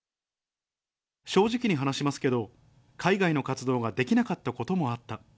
正直に話しますけど、海外の活動ができなかったこともあった。